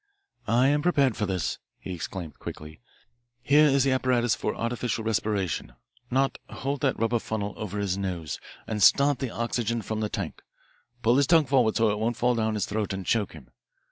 "I am prepared for this," he exclaimed quickly. "Here is the apparatus for artificial respiration. Nott, hold that rubber funnel over his nose, and start the oxygen from the tank. Pull his tongue forward so it won't fall down his throat and choke him.